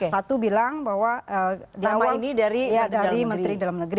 satu bilang bahwa dia awal dari menteri dalam negeri